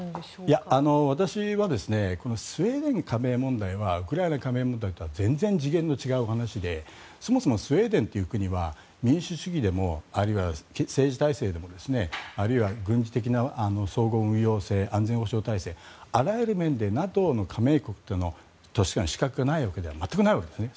いや、私はこのスウェーデン加盟問題はウクライナ加盟問題とは全然次元の違う問題でそもそもスウェーデンという国は民主主義でもあるいは政治体制でもあるいは軍事的な総合運用性安全保障体制あらゆる面でＮＡＴＯの加盟としての資格がないとは全くないわけですね。